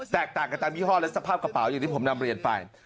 ต่างกันตามยี่ห้อและสภาพกระเป๋าอย่างที่ผมนำเรียนไป